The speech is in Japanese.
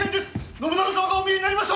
信長様がお見えになりました！